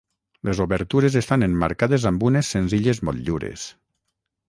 Les obertures estan emmarcades amb unes senzilles motllures.